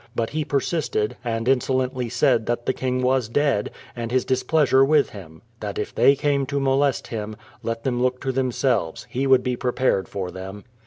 But he persisted, and insolently said that the king was dead, and his dis pleasure with him; that if they came to molest him, let them look to themselves; he would be prepared for them.